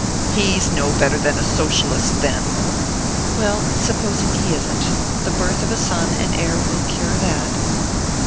"He's no better than a socialist, then!" "Well supposing he isn't: the birth of a son and heir will cure that."